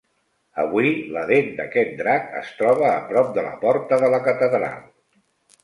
Avui, la dent d'aquest drac es troba a prop de la porta de la catedral.